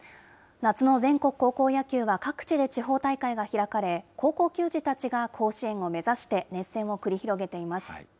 夏の全国高校野球は各地で地方大会が開かれ、高校球児たちが甲子園を目指して熱戦を繰り広げています。